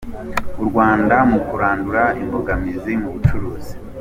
U Rwanda mu kurandura imbogamizi mu bucuruzi